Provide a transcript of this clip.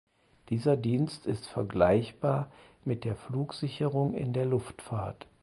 Dieser Dienst ist vergleichbar mit der Flugsicherung in der Luftfahrt.